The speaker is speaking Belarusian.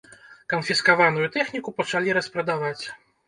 Канфіскаваную тэхніку пачалі распрадаваць.